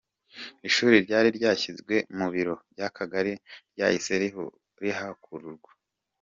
Ishuri ryari ryashyinzwe mu biro by’Akagali ryahise rihakurwa.